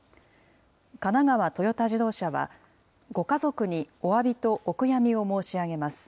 神奈川トヨタ自動車は、ご家族におわびとお悔やみを申し上げます。